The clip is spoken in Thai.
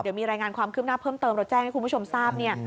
เดี๋ยวมีรายงานความคืบหน้าเพิ่มเติมเราแจ้งให้คุณผู้ชมทราบเนี่ย